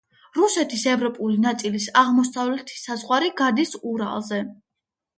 რუსეთის ევროპული ნაწილის აღმოსავლეთი საზღვარი გადის ურალზე.